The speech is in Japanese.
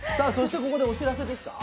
ここでお知らせです。